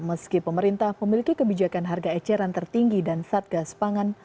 meski pemerintah memiliki kebijakan harga eceran tertinggi dan satgas pangan